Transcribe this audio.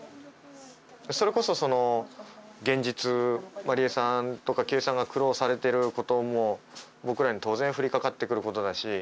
それこそその現実麻梨絵さんとか圭さんが苦労されてることも僕らに当然降りかかってくることだし。